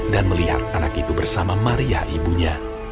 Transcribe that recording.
dan melihat anak itu bersama maria ibunya